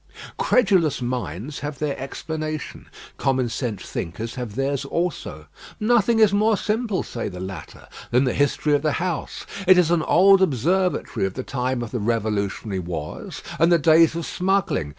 Credulous minds have their explanation; common sense thinkers have theirs also. "Nothing is more simple," say the latter, "than the history of the house. It is an old observatory of the time of the revolutionary wars and the days of smuggling.